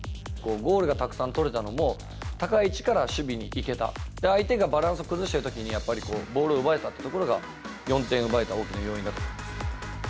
ゴールがたくさん取れたのも、高い位置から守備に行けた、相手がバランス崩しているときに、やっぱり、ボールを奪えたっていうところが４点奪えた大きな要因だと思います。